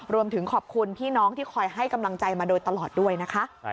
รวมถึงขอบคุณพี่น้องที่คอยให้กำลังใจมาโดยตลอดด้วยนะคะ